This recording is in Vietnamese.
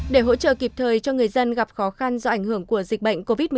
để hỗ trợ kịp thời cho người dân gặp khó khăn do ảnh hưởng của dịch bệnh covid một mươi chín